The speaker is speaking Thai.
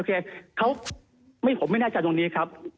เขาไม่ผมไม่น่าจะจัดตรงนี้ครับ